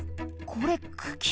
これ茎？